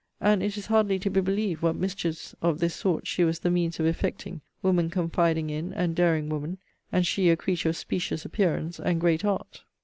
And it is hardly to be believed what mischiefs of this sort she was the means of effecting; woman confiding in and daring woman; and she a creature of specious appearance, and great art.